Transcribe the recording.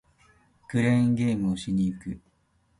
クレーンゲームをしに行く